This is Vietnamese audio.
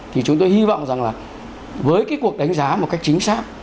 thì chúng tôi hy vọng rằng là với cái cuộc đánh giá một cách chính xác